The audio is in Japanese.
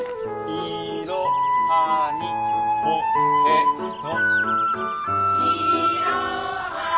「いろはにほへと」。